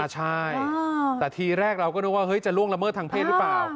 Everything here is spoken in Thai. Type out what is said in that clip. ใช่แต่ทีแรกเราก็นึกว่าจะล่วงละเมิดทางเพศหรือเปล่า